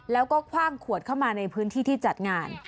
แล้วก็คว่างขวดเข้ามาในพื้นที่ที่จัดงาน